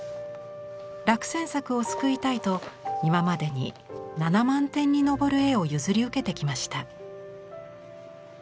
落選作を救いたいと今までに７万点に上る絵を譲り受けてきました。